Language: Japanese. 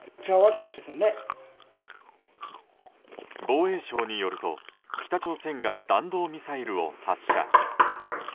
防衛省によると北朝鮮が弾道ミサイルを発射。